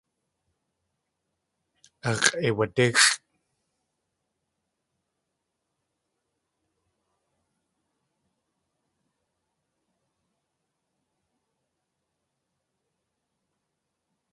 Ax̲ʼeiwadíxʼ.